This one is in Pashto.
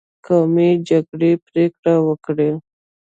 قومي جرګې پرېکړه وکړه